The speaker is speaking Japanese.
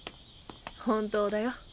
本当だよ。